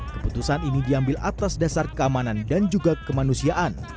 keputusan ini diambil atas dasar keamanan dan juga kemanusiaan